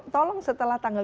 tolong setelah tanggal tujuh